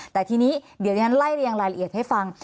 แต่ทีนี้เดี๋ยวฉันไล่เรียงรายละเอียดให้ฟัง